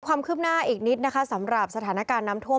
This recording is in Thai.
ความคืบหน้าอีกนิดนะคะสำหรับสถานการณ์น้ำท่วม